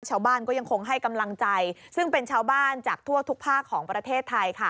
ชาวบ้านก็ยังคงให้กำลังใจซึ่งเป็นชาวบ้านจากทั่วทุกภาคของประเทศไทยค่ะ